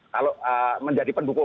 kalau menjadi pendukung